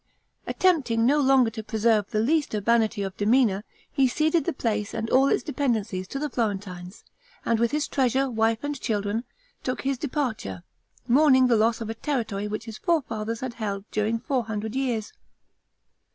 Attempting no longer to preserve the least urbanity of demeanor, he ceded the place and all its dependencies to the Florentines, and with his treasure, wife, and children, took his departure, mourning the loss of a territory which his forefathers had held during four hundred years.